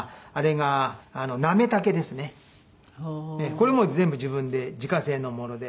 これも全部自分で自家製のもので。